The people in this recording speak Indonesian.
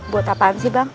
buat apaan sih bang